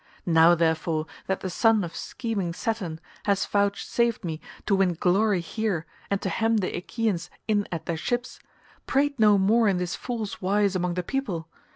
Now, therefore, that the son of scheming Saturn has vouchsafed me to win glory here and to hem the Achaeans in at their ships, prate no more in this fool's wise among the people.